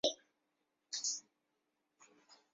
朝鲜王朝时代政治家柳成龙后人。